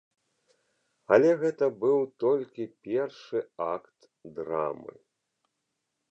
Але гэта быў толькі першы акт драмы.